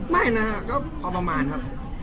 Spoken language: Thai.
ไม่นะก็พอประมาณครับ